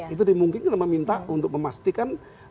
itu dimungkinkan meminta untuk memastikan